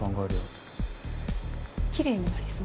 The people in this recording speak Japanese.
「きれいになりそう」？